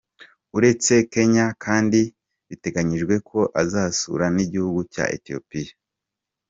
Uretse Kenya kandi biteganyijwe ko azasura n’igihugu cya Ethiopia.